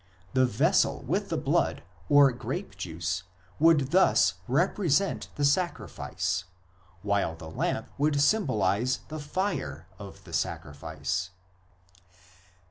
The vessel with the blood or grape juice would thus represent the sacrifice, while the lamp would symbolize the fire of the sacrifice.